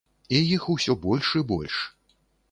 І іх усё больш і больш.